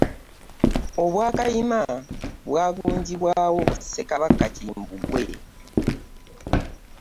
Obwakayima bwagunjibwawo Ssekabaka Kimbugwe.